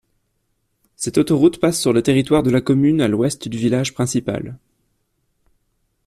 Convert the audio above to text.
Cette autoroute passe sur le territoire de la commune à l'ouest du village principal.